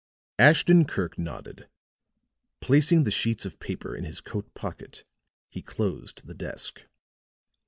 Ashton Kirk nodded; placing the sheets of paper in his coat pocket he closed the desk.